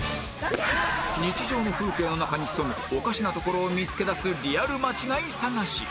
日常の風景の中に潜むおかしなところを見つけ出すリアル間違い探し